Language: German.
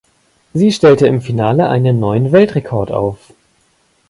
Sie stellte im Finale einen neuen Weltrekord auf.